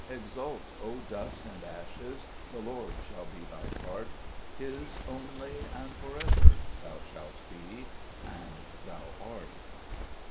Exult, O dust and ashes, The Lord shall be thy part : His only and for ever, Thou shalt be, and thou art.